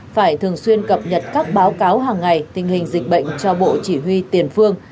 phải thường xuyên cập nhật các báo cáo hàng ngày tình hình dịch bệnh cho bộ chỉ huy tiền phương